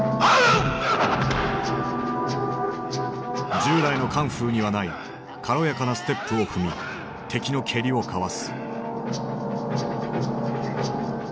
従来のカンフーにはない軽やかなステップを踏み敵の蹴りをかわす。